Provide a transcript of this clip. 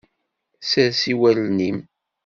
Sers i wallen-im.